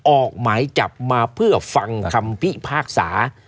ออกหมายจับมาเพื่อฟังคำพิพากษา